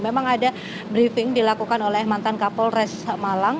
memang ada briefing dilakukan oleh mantan kapol res malang